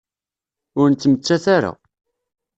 Ur nettmettat ara.